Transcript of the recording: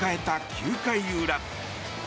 ９回裏。